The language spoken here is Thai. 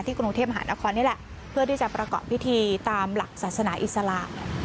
กรุงเทพมหานครนี่แหละเพื่อที่จะประกอบพิธีตามหลักศาสนาอิสระ